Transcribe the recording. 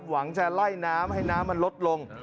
หวังจะไล่น้ำให้น้ำมันลดลง